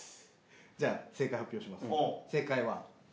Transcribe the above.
じゃ正解発表します。